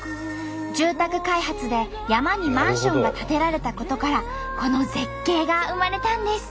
住宅開発で山にマンションが建てられたことからこの絶景が生まれたんです。